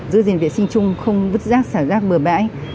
giữ gìn vệ sinh chung không vứt rác xả rác bừa bãi